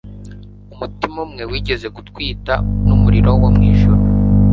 Umutima umwe wigeze gutwita numuriro wo mwijuru;